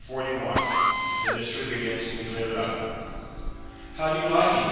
CHAPTER XLI THE MYSTERY BEGINS TO BE CLEARED UP 'How do you like him?'